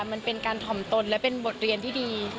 มันเป็นการถ่อมตนและเป็นบทเรียนที่ดี